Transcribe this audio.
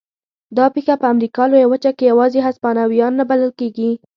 دا پېښه په امریکا لویه وچه کې یوازې هسپانویان نه بلل کېږي.